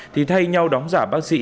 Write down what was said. thì thay nhau đóng giả bác sĩ